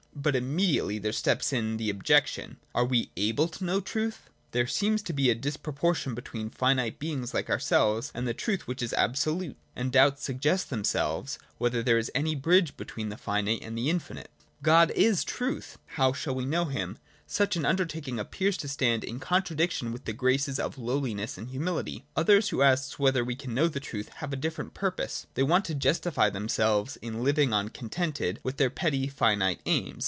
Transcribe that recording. But immediately there steps in the objection — Are we able to know truth ? There seems to be a disproportion between finite beings like ourselves and the truth which is absolute : and doubts 32 PRELIMINARY NOTION. \}9 suggest themselves whether there is any bridge between the finite and the infinite. God is truth : how shall we know Him ? Such an undertaking appears to stand in contra diction with the graces of lowliness and humiUty.— Others who ask whether we can know the truth have a different purpose. They want to justify themselves in living on contented with their petty, finite aims.